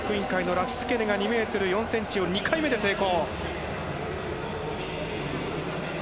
ラシツケネが２ｍ４ｃｍを２回目で成功。